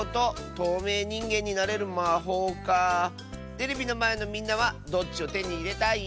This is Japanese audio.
テレビのまえのみんなはどっちをてにいれたい？